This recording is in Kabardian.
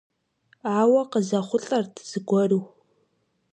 Ауэ къызэхъулӀэрт зыгуэру.